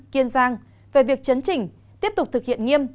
kiên giang về việc chấn chỉnh tiếp tục thực hiện nghiêm